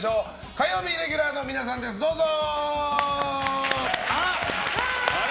火曜日レギュラーの皆さんですどうぞ！